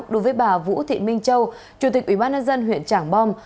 đối với bà vũ thị minh châu chủ tịch ủy ban nhân dân huyện trảng bom